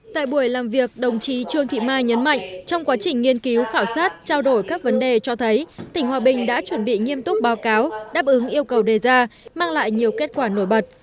tại buổi làm việc đồng chí trương thị mai nhấn mạnh trong quá trình nghiên cứu khảo sát trao đổi các vấn đề cho thấy tỉnh hòa bình đã chuẩn bị nghiêm túc báo cáo đáp ứng yêu cầu đề ra mang lại nhiều kết quả nổi bật